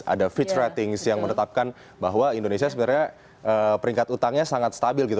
ada fitch ratings yang menetapkan bahwa indonesia sebenarnya peringkat utangnya sangat stabil gitu